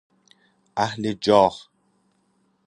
اهل جاه